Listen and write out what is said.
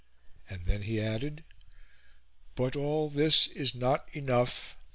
And then he added: "But all this is not enough.